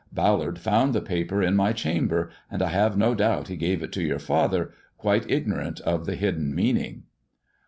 Ballard found the paper in my chamber, and I have no doubt he gave it to your father, quite ignorant of the hidden meaning."